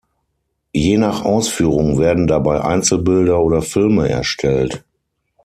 Je nach Ausführung werden dabei Einzelbilder oder Filme erstellt.